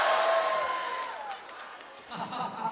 ハハハハ。